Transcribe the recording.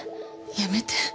やめて。